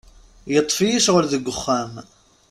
Yeṭṭef-iyi ccɣel deg wexxam.